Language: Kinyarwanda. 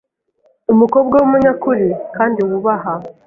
Umukobwa w’umunyakuri kandi wubaha